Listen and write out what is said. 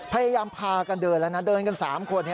พยายามพากันเดินแล้วนะเดินกัน๓คน